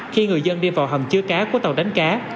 khi người dân đi vào hầm chứa cá của tàu đánh cá